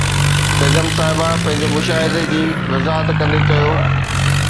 بيگم صاحبه پنهنجي مشاهدي جي وضاحت ڪندي چيو